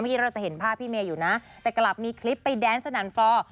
เมื่อกี้เราจะเห็นภาพพี่เมย์อยู่นะแต่กลับมีคลิปไปแดนสนั่นฟลอ